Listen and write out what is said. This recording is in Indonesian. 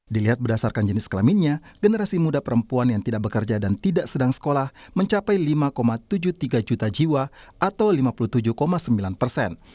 dilihat berdasarkan jenis kelaminnya generasi muda perempuan yang tidak bekerja dan tidak sedang sekolah mencapai lima tujuh puluh tiga juta jiwa atau lima puluh tujuh sembilan persen